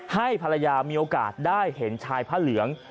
ให้ภรรยามีโอกาสได้เห็นชายผ้าเหลือง